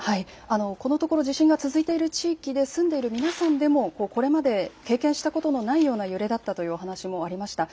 このところ地震が続いている地域で住んでいる皆さんでもこれまで経験したことのないような揺れだったということもありました。